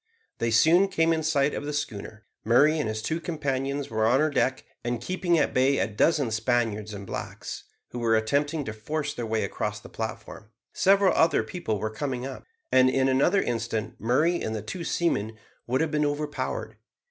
They soon came in sight of the schooner. Murray and his two companions were on her deck, and keeping at bay a dozen Spaniards and blacks, who were attempting to force their way across the platform. Several other people were coming up, and in another instant Murray and the two seamen would have been overpowered.